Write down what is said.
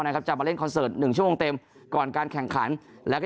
นะครับจะมาเล่นคอนเซิร์ต๑ชั่วโมงเต็มก่อนการแข่งขันแล้วก็